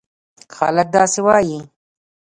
خلک داسې وایي: